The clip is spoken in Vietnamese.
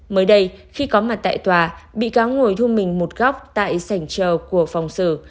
mới đây khi có mặt tại tòa bị cáo ngồi thu mình một góc tại sảnh trờ của phòng xử